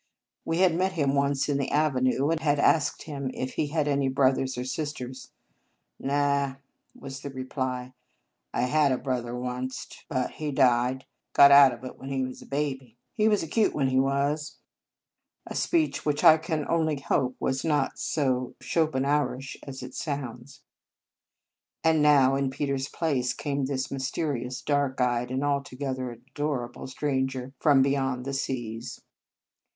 We had met him once in the avenue, and had asked him if he had any brothers or sisters. " Naw," was the reply. " I had a brother wanst, but he died; got out of it when he was a baby. He was a cute one, he was." A speech which I can only 5 In Our Convent Days hope was not so Schopenhauerish as it sounds. And now, in Peter s place, came this mysterious, dark eyed, and alto gether adorable stranger from beyond the seas.